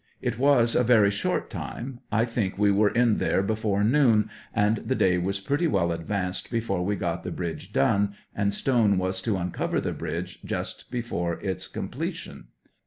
It was a very short time ; I think we were in there before noon, and the day was pretty well ad vanced before we got the bridge done, and Stone was to uncover the bridge just before its completion.